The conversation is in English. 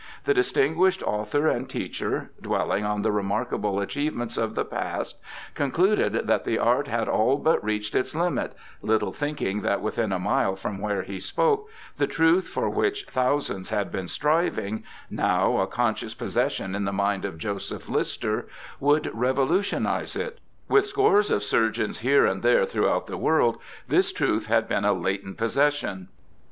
The distinguished author and teacher, dwelling on the remarkable achievements of the past, concluded that the art had all but reached its limit, little thinking that within a mile from where he spoke, the truth for which thousands had been striving — now a conscious possession in the mind of Joseph Lister— would revo lutionize it. With scores of surgeons here and there throughout the world this truth had been a latent posses sion.